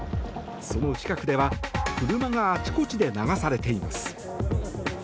その近くでは車があちこちで流されています。